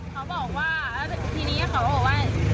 เขาบอกว่าแล้วทีนี้เขาบอกว่า